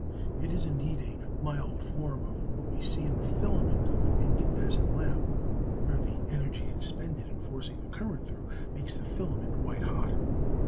It is indeed a mild form of what we see in the filament of an incandescent lamp, where the energy expended in forcing the current through makes the filament white hot.